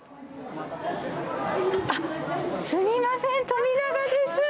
あっ、すみません、富永です。